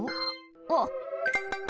あっ。